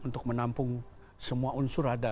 untuk menampung semua unsur ada